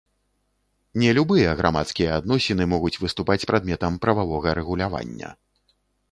Не любыя грамадскія адносіны могуць выступаць прадметам прававога рэгулявання.